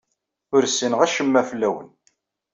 Ur ssineɣ acemma fell-awen.